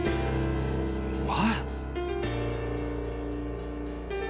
お前。